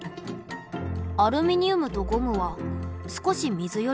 アルミニウムとゴムは少し水より重い。